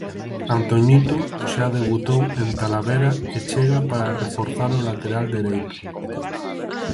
Antoñito xa debutou en Talavera e chega para reforzar o lateral dereito.